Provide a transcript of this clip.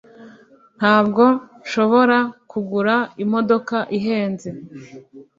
Ntabwo nshobora kugura imodoka ihenze